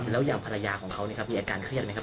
แล้วอย่างภรรยาของเค้าเนี่ยครับมีอาการเครียดไหมครับ